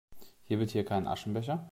Gibt es hier keinen Aschenbecher?